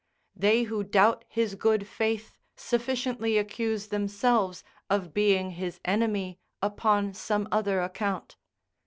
They who doubt his good faith sufficiently accuse themselves of being his enemy upon some other account.